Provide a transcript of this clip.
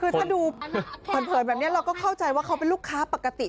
คือถ้าดูเผินแบบนี้เราก็เข้าใจว่าเขาเป็นลูกค้าปกติ